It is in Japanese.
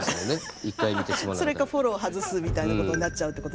それかフォローを外すみたいなことになっちゃうってことですかね。